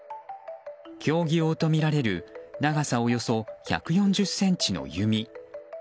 競技用とみられる長さおよそ１４０ｃｍの弓。